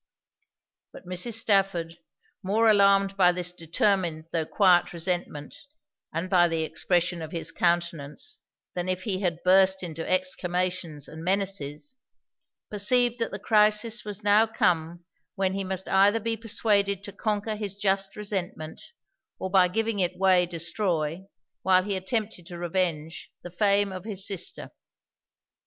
But Mrs. Stafford, more alarmed by this determined tho' quiet resentment and by the expression of his countenance than if he had burst into exclamations and menaces, perceived that the crisis was now come when he must either be persuaded to conquer his just resentment, or by giving it way destroy, while he attempted to revenge, the fame of his sister.